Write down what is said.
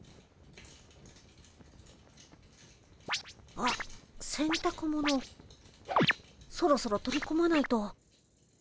あっせんたくものそろそろ取り込まないと。